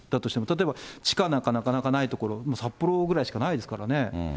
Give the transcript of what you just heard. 例えば地下なんかなかなかない所、札幌ぐらいしかないですからね。